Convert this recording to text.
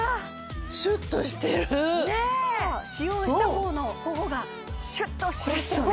シュッとしてるねえ使用したほうの頬がシュッとしてますよね